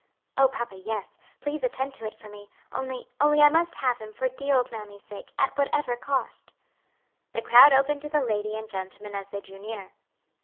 "O papa, yes; please attend to it for me only only I must have him, for dear old mammy's sake, at whatever cost." The crowd opened to the lady and gentleman as they drew near.